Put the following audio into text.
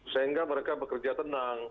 sehingga mereka bekerja tenang